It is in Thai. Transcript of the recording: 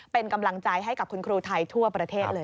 เป็นกำลังใจให้กับคุณครูไทยทั่วประเทศเลย